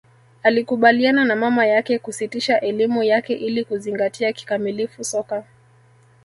alikubaliana na mama yake kusitisha elimu yake ili kuzingatia kikamilifu soka